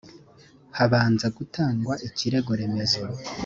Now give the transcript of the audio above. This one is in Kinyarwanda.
habanza gutangwa ikirego remezo